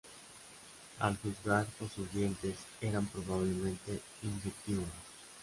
Al juzgar por sus dientes, eran probablemente insectívoros.